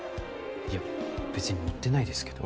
いや別に乗ってないですけど。